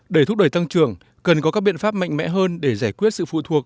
để thúc đẩy tăng trưởng cần có các biện pháp mạnh mẽ hơn để giải quyết sự phụ thuộc